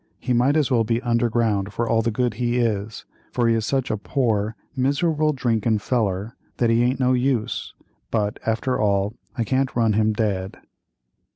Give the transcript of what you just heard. He might as well be under ground for all the good he is, for he is such a poor, mis'able, drinkin' feller that he aint no use, but, after all, I can't run him dead."